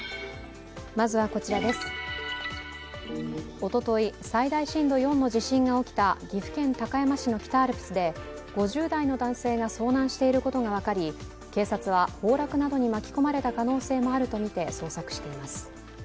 おととい最大震度４の地震が起きた岐阜県高山市の北アルプスで５０代の男性が遭難していることが分かり、警察は、崩落などに巻き込まれた可能性もあると見て、捜査しています